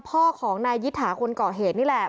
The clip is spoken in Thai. พ่อของนายยิตหาคนก่อเหตุนี่แหละ